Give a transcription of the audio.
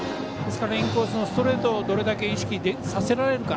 インコースのストレートをどれだけ意識させられるか。